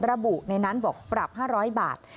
ระบุในนั้นบอกปรับ๕๐๐บาท